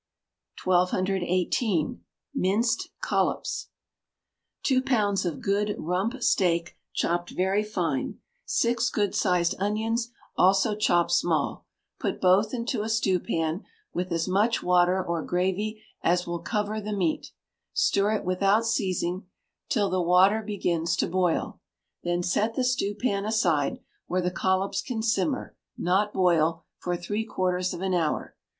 1218. Minced Collops. Two pounds of good rump steak, chopped very fine; six good sized onions, also chopped small; put both into a stewpan, with as much water or gravy as will cover the meat; stir it without ceasing till the water begins to boil; then set the stewpan aside, where the collops can simmer, not boil, for three quarters of an hour.